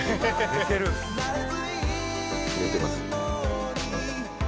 寝てます。